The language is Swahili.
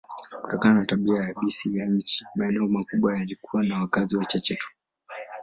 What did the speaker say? Kutokana na tabia yabisi ya nchi, maeneo makubwa yalikuwa na wakazi wachache tu.